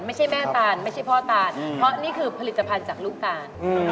แม่ตานไม่ใช่พ่อตานเพราะนี่คือผลิตภัณฑ์จากลูกตาล